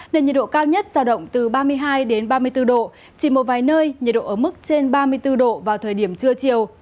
nền nhiệt độ cao nhất giao động từ ba mươi hai ba mươi bốn độ chỉ một vài nơi nhiệt độ ở mức trên ba mươi bốn độ vào thời điểm trưa chiều